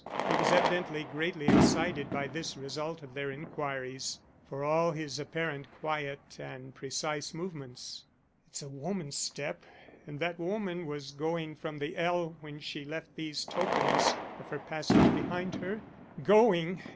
He was evidently greatly excited by this result of their inquiries, for all his apparent quiet and precise movements. "It's a woman's step, and that woman was going from the ell when she left these tokens of her passage behind her. Going!